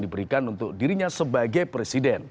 diberikan untuk dirinya sebagai presiden